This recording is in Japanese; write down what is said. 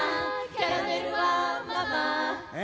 キャラメルはママ」え？